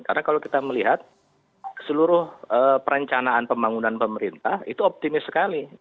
karena kalau kita melihat seluruh perencanaan pembangunan pemerintah itu optimis sekali